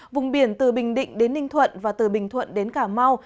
vùng biển từ bình định đến ninh thuận và từ bình thuận đến cà mau